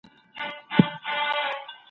رخسار دي میکده او زه خیام سم چي در ګورم